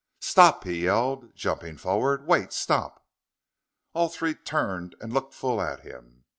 "Stop!" he yelled, jumping forward. "Wait! Stop!" All three turned and looked full at him.